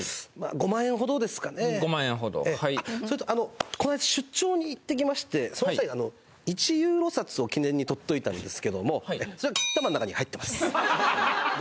５万円ほどあっそれとこの間出張に行ってきましてその際１ユーロ札を記念にとっといたんですけどもそれは○○玉の中に入ってます